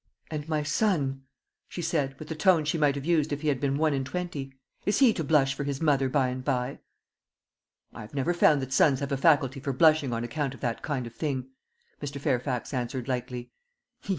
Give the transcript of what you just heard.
"And my son," she said, with the tone she might have used if he had been one and twenty, "is he to blush for his mother by and by?" "I have never found that sons have a faculty for blushing on account of that kind of thing," Mr. Fairfax answered lightly.